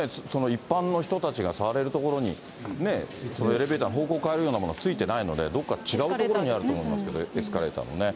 一般の人たちが触れる所にね、エレベーターの方向を変えるようなもの、ついてないので、どこか違う所にあると思いますけどね、エスカレーターもね。